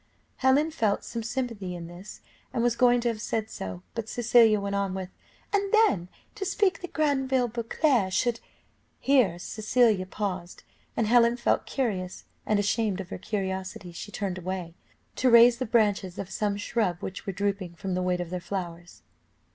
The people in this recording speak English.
Helen felt some sympathy in this, and was going to have said so, but Cecilia went on with "And then to expect that Granville Beauclerc should " Here Cecilia paused, and Helen felt curious, and ashamed of her curiosity; she turned away, to raise the branches of some shrub, which were drooping from the weight of their flowers.